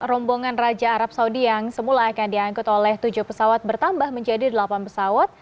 rombongan raja arab saudi yang semula akan diangkut oleh tujuh pesawat bertambah menjadi delapan pesawat